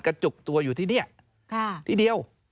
จุกตัวอยู่ที่นี่ที่เดียว